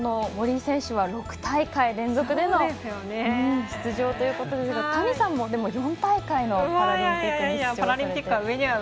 森井選手は６大会連続での出場ということですが谷さんも４大会のパラリンピックの出場で。